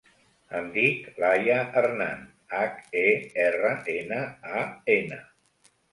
Em dic Laia Hernan: hac, e, erra, ena, a, ena.